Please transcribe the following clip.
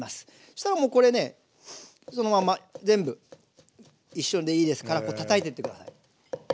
そしたらもうこれねそのまま全部一緒でいいですからこうたたいてって下さい。